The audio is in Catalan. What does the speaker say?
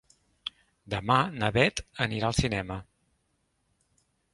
Demà na Bet anirà al cinema.